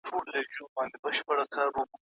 د ماشوم د غاښونو کتل عادت کړئ.